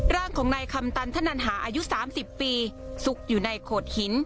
ร่างของนายคำตันธนันหาอายุ๓๐ปีซุกอยู่ในโขดหิน